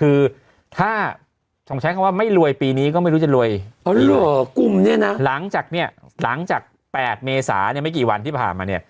คือถ้าชงใช้คำว่าไม่รวยปีนี้ก็ไม่รู้จะรวยกุมเนี่ยนะหลังจากเนี่ยหลังจาก๘เมษาเนี่ยไม่กี่วันที่ผ่านมาเนี่ย